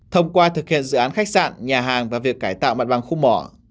thông qua thực hiện dự án khách sạn nhà hàng và việc cải tạo mặt bằng khu mỏ